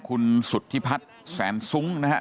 คุณสุธิพัฒน์แสนซุ้งนะฮะ